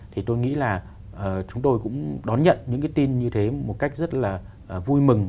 thì tôi nghĩ là chúng tôi cũng đón nhận những cái tin như thế một cách rất là vui mừng